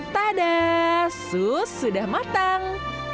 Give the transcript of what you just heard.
tadaaa sus sudah matang